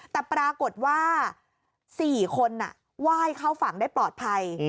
แต่ปรากฏว่า๔คนไหว้เข้าฝั่งได้ปลอดภัย